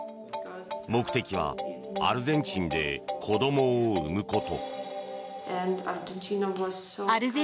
目的はアルゼンチンで子どもを産むこと。